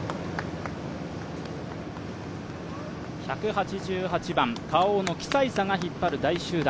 １８８番Ｋａｏのキサイサが引っ張る第１集団。